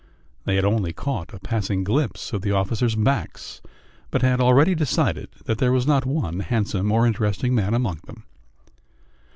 They had only caught a passing glimpse of the officers' backs, but had already decided that there was not one handsome or interesting man among them....